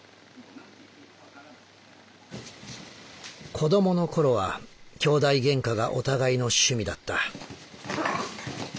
「子どもの頃はきょうだいゲンカがお互いの趣味だった」。